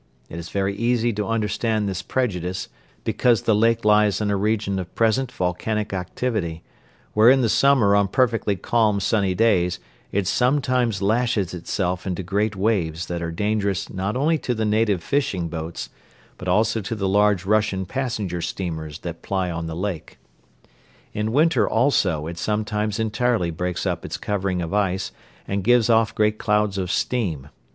It is very easy to understand this prejudice because the lake lies in a region of present volcanic activity, where in the summer on perfectly calm sunny days it sometimes lashes itself into great waves that are dangerous not only to the native fishing boats but also to the large Russian passenger steamers that ply on the lake. In winter also it sometimes entirely breaks up its covering of ice and gives off great clouds of steam.